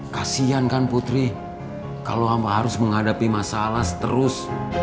kasian kan putri kalau harus menghadapi masalah seterus